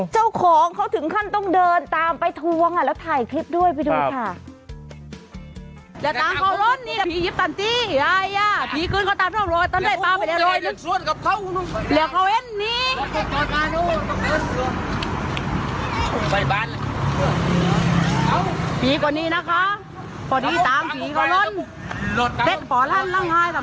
เจ้าของเขาถึงขั้นต้องเดินตามไปทวงแล้วถ่ายคลิปด้วยไปดูค่ะ